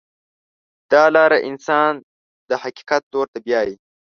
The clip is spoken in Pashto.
دا لاره انسان د حقیقت لور ته بیایي.